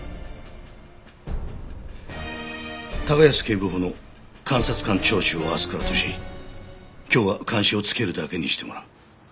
高安警部補の監察官聴取を明日からとし今日は監視をつけるだけにしてもらう。